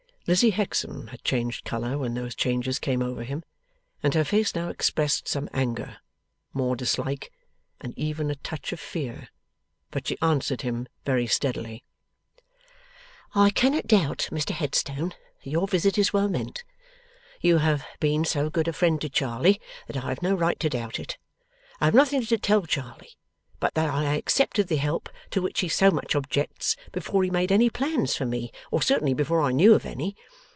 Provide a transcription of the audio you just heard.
Lizzie Hexam had changed colour when those changes came over him, and her face now expressed some anger, more dislike, and even a touch of fear. But she answered him very steadily. 'I cannot doubt, Mr Headstone, that your visit is well meant. You have been so good a friend to Charley that I have no right to doubt it. I have nothing to tell Charley, but that I accepted the help to which he so much objects before he made any plans for me; or certainly before I knew of any.